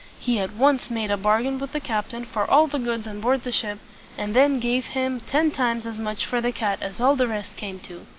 He at once made a bargain with the captain for all the goods on board the ship; and then he gave him ten times as much for the cat as all the rest came to.